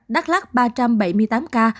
đắk lắc ba trăm bảy mươi tám ca